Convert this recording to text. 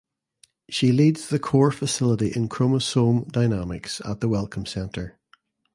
She leads the core facility in Chromosome Dynamics at the Wellcome Centre.